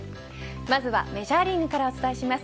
まずはメジャーリーグからお伝えします。